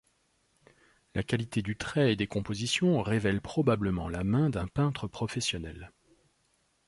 La qualité du trait et des compositions révèlent probablement la main d’un peintre professionnel.